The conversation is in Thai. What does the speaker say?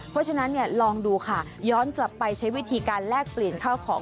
เพราะฉะนั้นลองดูค่ะย้อนกลับไปใช้วิธีการแลกเปลี่ยนข้าวของ